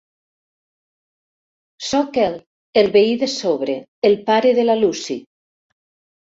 Sóc el, el veí de sobre, el pare de la Lucy.